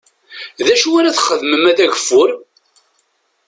D acu ara txedmem ma d ageffur?